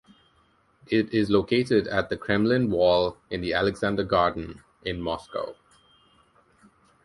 It is located at the Kremlin Wall in the Alexander Garden in Moscow.